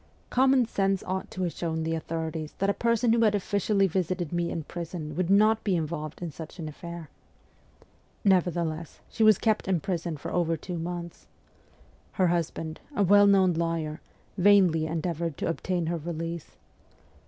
Common sense ought to have shown the authorities that a person who had officially visited me in prison would not be involved in such an affair. Nevertheless, she was kept in prison for over two months. Her husband, a well known lawyer, vainly endeavoured to obtain her release.